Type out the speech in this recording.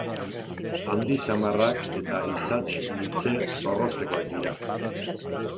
Handi samarrak eta isats luze zorrotzekoak dira.